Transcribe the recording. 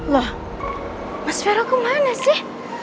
loh mas vero kemana sih